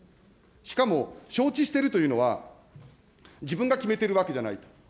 しかも、承知してるというのは、自分が決めているわけじゃないと。